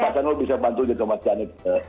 pak sadu bisa bantu juga mas ghanib